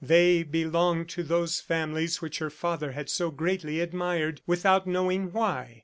They belonged to those families which her father had so greatly admired without knowing why.